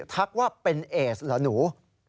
ทักว่าเป็นเอสเหรอหนู